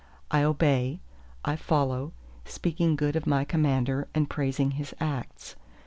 I obey, I follow—speaking good of my Commander, and praising His acts.